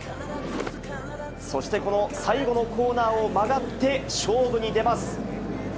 そしてこの最後のコーナーを曲がって勝負に出ます。